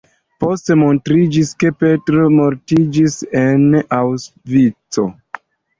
Poste montriĝis, ke Petr mortis en Aŭŝvico.